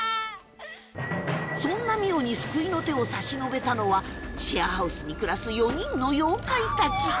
そんな澪に救いの手を差し伸べたのはシェアハウスに暮らす４人の妖怪たち